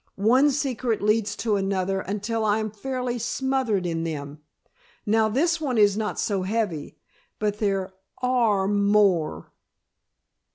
"One secret leads to another until I am fairly smothered in them. Now, this one is not so heavy, but there are more."